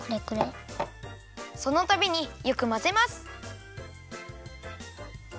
そのたびによくまぜます。